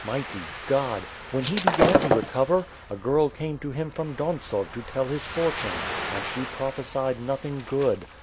Mighty God ! When he began to recover, a girl came to him from Dontsov to tell his fortune and she prophecied nothing good.